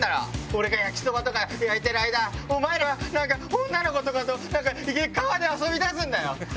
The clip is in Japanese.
俺が焼きそばとか焼いてる間、お前らは、なんか、女の子と、なんか川で遊びだすんだよ！